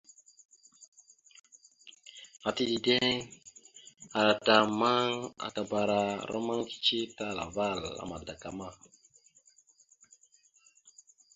Ata dideŋ ara ata ammaŋ akabara rommaŋ cici talaval a madakama.